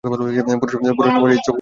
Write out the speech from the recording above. পুরুষ নমুনায় এই ছোপগুলি অনুপস্থিত।